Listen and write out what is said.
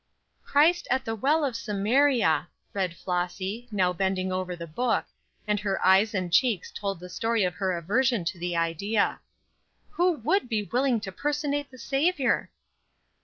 "Christ at the well of Samaria!" read Flossy, now bending over the book, and her eyes and cheeks told the story of her aversion to the idea. "Who would be willing to personate the Saviour?"